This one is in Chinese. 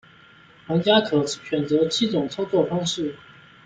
玩家可选择七种操纵方式。